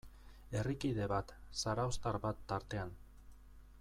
Herrikide bat, zarauztar bat tartean.